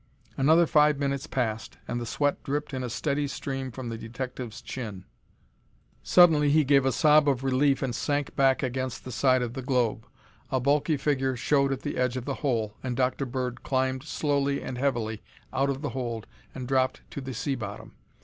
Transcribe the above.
Another five minutes passed, and the sweat dripped in a steady stream from the detective's chin. Suddenly he gave a sob of relief and sank back against the side of the globe. A bulky figure showed at the edge of the hole, and Dr. Bird climbed slowly and heavily out of the hold and dropped to the sea bottom.